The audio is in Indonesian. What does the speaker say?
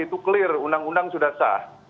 itu clear undang undang sudah sah